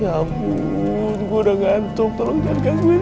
ya ampun gue udah ngantuk tolong jangan gangguin gue dong